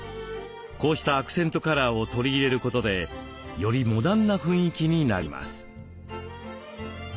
こうしたアクセントカラーを取り入れることでよりモダンな雰囲気になります。